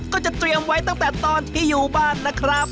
ก็จะเตรียมไว้ตั้งแต่ตอนที่อยู่บ้านนะครับ